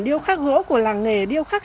điêu khắc gỗ của làng nghề điêu khắc